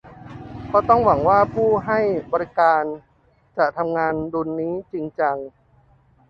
ก็ต้องหวังว่าผู้ให้บริการจะทำงานดุลนี้จริงจัง